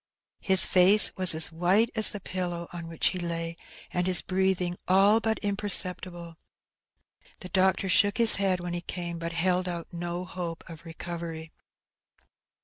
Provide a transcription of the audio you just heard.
His face was as white as the pillow on which he lay, and his breathing all but imperceptible. The doctor shook his head when he came, but held out no hope of recovery.